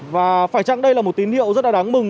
và phải chăng đây là một tín hiệu rất là đáng mừng